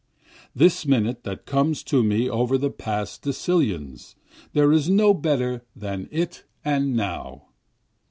This minute that comes to me over the past decillions, There is no better than it and now.